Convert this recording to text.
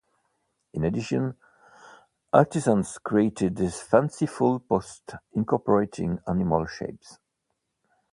In addition, artisans created fanciful pots incorporating animal shapes.